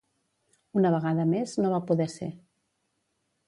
Una vegada més, no va poder ser.